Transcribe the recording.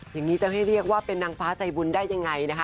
อย่างนี้จะให้เรียกว่าเป็นนางฟ้าใจบุญได้ยังไงนะคะ